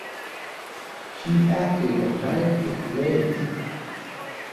She acted and directed plays.